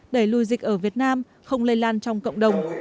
đẩy lùi dịch ở việt nam không lây lan trong cộng đồng